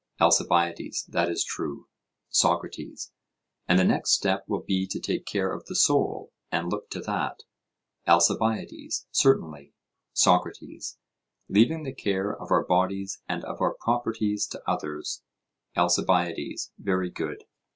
ALCIBIADES: That is true. SOCRATES: And the next step will be to take care of the soul, and look to that? ALCIBIADES: Certainly. SOCRATES: Leaving the care of our bodies and of our properties to others? ALCIBIADES: Very good.